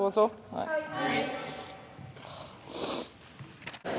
はい。